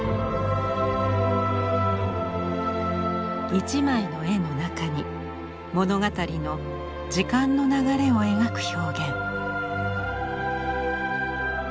一枚の絵の中に物語の時間の流れを描く表現。